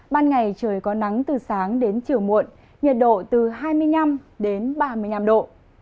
ban ngày trời có nắng từ sáng đến chiều muộn nhiệt độ từ hai mươi năm đến ba mươi năm độ